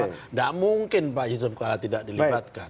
tidak mungkin pak yusuf kala tidak dilibatkan